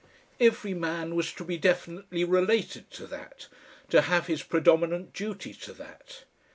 Every man was to be definitely related to that, to have his predominant duty to that.